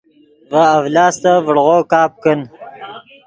ڤے اڤلاستف ڤڑغو کپ کن